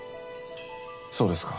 そうですか。